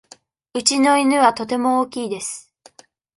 うちの犬はとても大きいです。